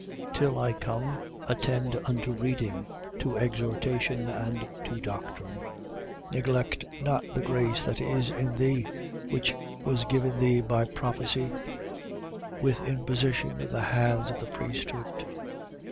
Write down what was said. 4:13. Till I come, attend unto reading, to exhortation and to doctrine. 4:14. Neglect not the grace that is in thee, which was given thee by prophecy, with imposition of the hands of the priesthood.